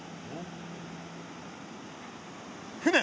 船？